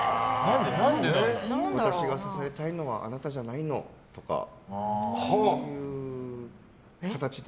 私が支えたいのはあなたじゃないのとかそういう形で。